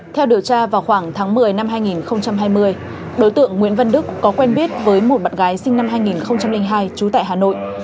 theo điều tra vào khoảng tháng một mươi năm hai nghìn hai mươi đối tượng nguyễn văn đức có quen biết với một bạn gái sinh năm hai nghìn hai trú tại hà nội